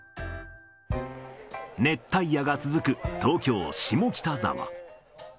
熱帯夜が続く東京・下北沢。